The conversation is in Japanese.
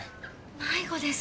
迷子ですか。